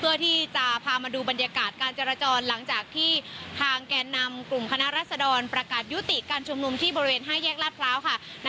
เพื่อที่จะพามาดูบรรยากาศการจราจรหลังจากที่ทางแก่นำกลุ่มคณะรัศดรประกาศยุติการชุมนุมที่บริเวณ๕แยกลาดพร้าวค่ะ